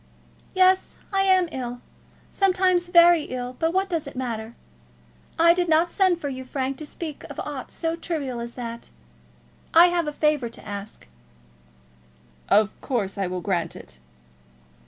"Yes, I am ill; sometimes very ill; but what does it matter? I did not send for you, Frank, to speak of aught so trivial as that. I have a favour to ask." "Of course I will grant it."